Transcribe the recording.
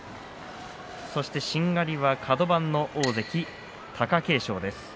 そして、しんがりはカド番の大関貴景勝です。